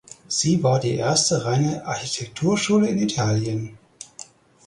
Sie war die erste reine Architekturschule in Italien.